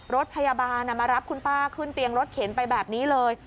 รถพยาบาลมารับคุณป้าขึ้นเตียงรถเข็นไปแบบนี้เลย